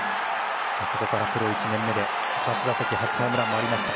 そこからプロ１年目で、初打席初ホームランもありました。